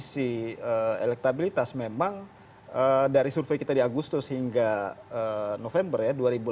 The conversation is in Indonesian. dari sisi elektabilitas memang dari survei kita di agustus hingga november ya dua ribu delapan belas